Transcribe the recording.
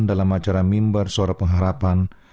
dalam acara mimbar suara pengharapan